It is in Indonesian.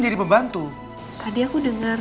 jadi pembantu tadi aku denger